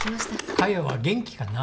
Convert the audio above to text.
加代は元気かな？